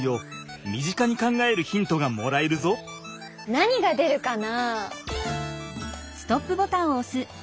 何が出るかな。